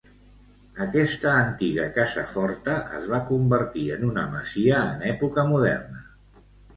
Aquesta antiga casa forta es va convertir en una masia en època moderna.